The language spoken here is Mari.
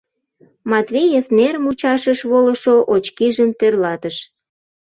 Матвеев нер мучашыш волышо очкижым тӧрлатыш.